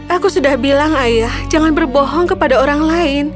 aku sudah bilang ayah jangan berbohong kepada orang lain